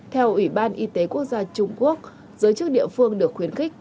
theo ủy ban y tế quốc gia trung quốc giới chức địa phương được khuyến khích